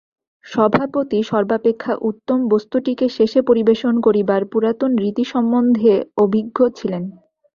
সভাপতি সর্বাপেক্ষা উত্তম বস্তুটিকে শেষে পরিবেশন করিবার পুরাতন রীতি সম্বন্ধে অভিজ্ঞ ছিলেন।